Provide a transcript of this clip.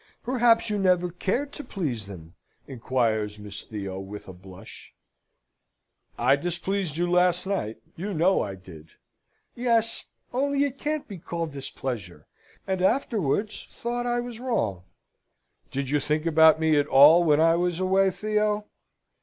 "Perhaps you never cared to please them?" inquires Miss Theo, with a blush. "I displeased you last night; you know I did?" "Yes; only it can't be called displeasure, and afterwards thought I was wrong." "Did you think about me at all when I was away, Theo?"